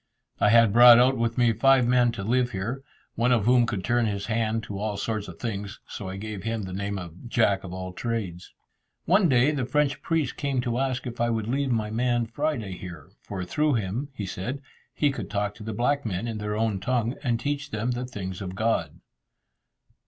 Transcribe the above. I had brought out with me five men to live here, one of whom could turn his hand to all sorts of things, so I gave him the name of "Jack of all Trades." One day the French priest came to ask if I would leave my man Friday here, for through him, he said, he could talk to the black men in their own tongue, and teach them the things of God.